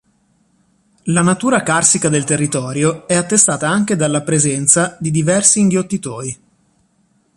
La natura carsica del territorio è attestata anche dalla presenza di diversi inghiottitoi.